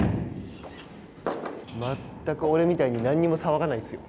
全く俺みたいに何にも騒がないんですよ。